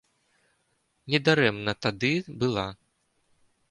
Не дарэмна тады была.